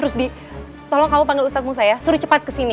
rusti tolong kamu panggil ustaz musa ya suruh cepat ke sini